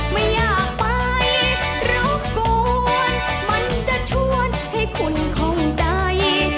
ไม่อยากไปรบกวนมันจะชวนให้คุณค่องใจ